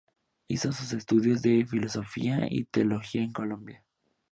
Hizo sus estudios de Filosofía y Teología en Colombia.